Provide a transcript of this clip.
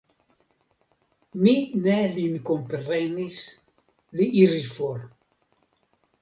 Mi ne lin komprenis, li iris for.